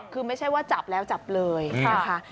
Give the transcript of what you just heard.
คือไม่ใช่ว่าจับแล้วจับเลยนะคะ